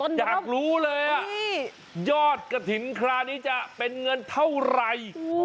อยากรู้เลยยอดกระถิ่นคราวนี้จะเป็นเงินเท่าไหร่